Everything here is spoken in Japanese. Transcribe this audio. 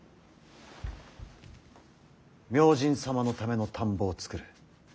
「明神様のための田んぼを作る。